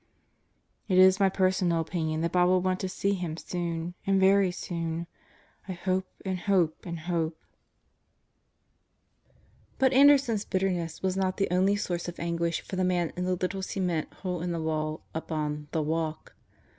186 God Goes to Murderer's Row It is my personal opinion that Bob will want to see him soon, and very soon, I hope and hope and hope. .,." But Anderson's bitterness was not the only source of anguish for the man in the little cement hole in the wall .up on "the walk."